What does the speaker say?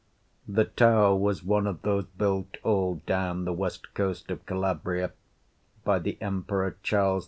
The tower was one of those built all down the west coast of Calabria by the Emperor Charles V.